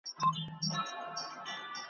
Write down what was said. د پښتنو هر مشر `